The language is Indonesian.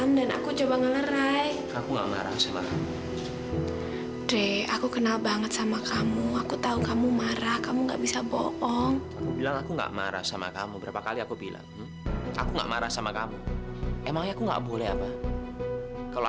mai kamu mau gak nikah sama aku